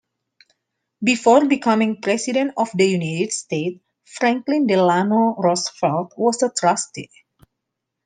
Before becoming President of the United States, Franklin Delano Roosevelt was a Trustee.